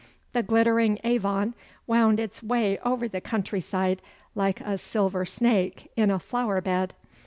The glittering Avon wound its way over the country side like a silver snake in a flower bed.